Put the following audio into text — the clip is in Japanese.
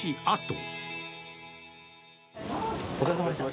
お疲れさまでした。